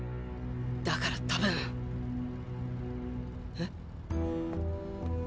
だから多分え？